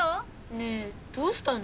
ねぇどうしたの？